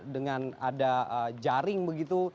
dengan ada jaring begitu